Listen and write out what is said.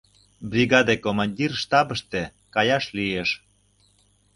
— Бригаде командир штабыште, каяш лиеш.